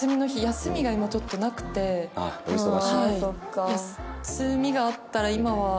休みがあったら今は。